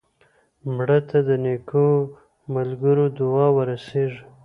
مړه ته د نیکو ملګرو دعا ورسېږي